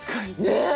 ねえ？